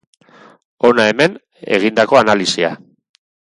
Hona hemen, egindako analisia.